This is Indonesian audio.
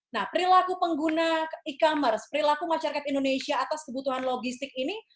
nah perilaku pengguna e commerce perilaku masyarakat indonesia atas kebutuhan logistik ini